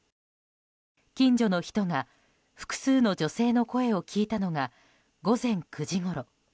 近所の人が複数の女性の声を聞いたのが午前９時ごろ。